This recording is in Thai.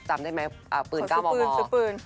จำได้ไหมปืนก้าวหมอ